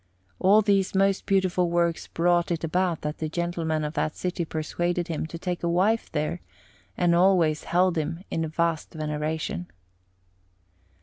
All these most beautiful works brought it about that the gentlemen of that city persuaded him to take a wife there, and always held him in vast veneration.